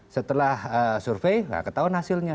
setelah survei nggak ketahuan hasilnya